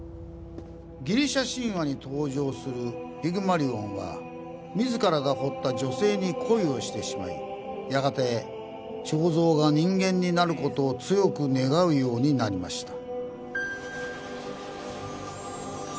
ギリシャ神話に登場するピグマリオンは自らが彫った女性に恋をしてしまいやがて彫像が人間になることを強く願うようになりました。